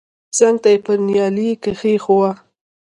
څنگ ته يې پر نيالۍ کښېښوه.